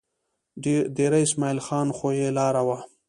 دېره اسمعیل خان خو یې لار وه.